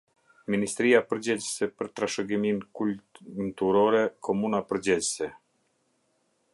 Ministria përgjegjëse për trashëgiminë kulnturore: komuna përgjegjëse.